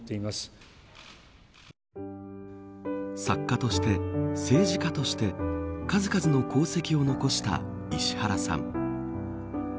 作家として政治家として数々の功績を残した石原さん。